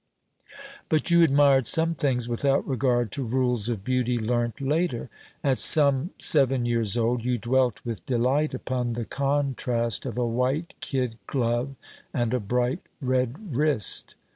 But you admired some things without regard to rules of beauty learnt later. At some seven years old you dwelt with delight upon the contrast of a white kid glove and a bright red wrist.